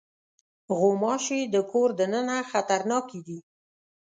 غوماشې د کور دننه خطرناکې دي.